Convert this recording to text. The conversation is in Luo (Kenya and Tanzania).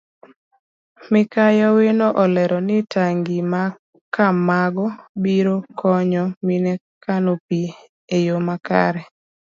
Mikai owino olero ni tangi makamago biro konyo mine kano pii eyo makare.